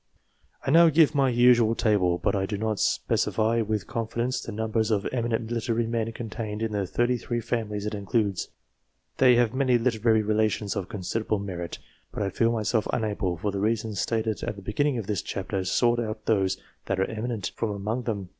I now give my usual table, but I do not specify with confidence the numbers of eminent literary people con tained in the thirty three families it includes. They have many literary relations of considerable merit, but I feel myself unable, for the reasons stated at the begin ning of this chapter, to sort out those that are " eminent " from among them.